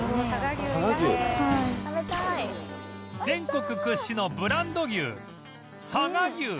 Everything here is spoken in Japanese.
全国屈指のブランド牛佐賀牛